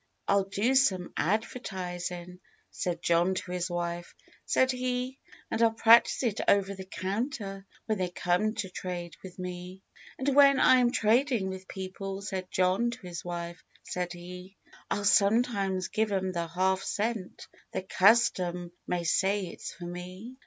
"I'll do some advertisin' " Said John to his wife, said he— "And I'll practice it over the counter When they come to trade with me." "And when I am tradin' with people," Said John to his wife, said he—• 34 LIFE WAVES "I'll sometimes give 'em the half cent, Tho custom may say it's for me."